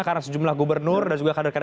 karena sejumlah gubernur dan kader kader